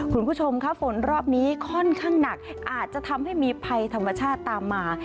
คุณผู้ชมค่ะฝนรอบนี้ค่อนข้างหนักอาจจะทำให้มีภัยธรรมชาติตามมา